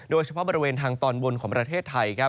โดยเฉพาะบริเวณทางตอนบนของประเทศไทย